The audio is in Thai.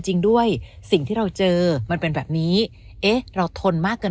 จริงด้วยสิ่งที่เราเจอมันเป็นแบบนี้เอ๊ะเราทนมากเกิน